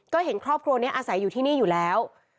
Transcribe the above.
ก็เห็นครอบครัวนี้อาศัยอยู่ที่นี่อยู่แล้ว